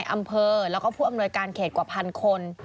อำเภอแล้วก็ผู้อำนวยการเขตกว่าพันคน